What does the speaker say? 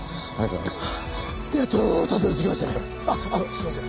あっあのすいません。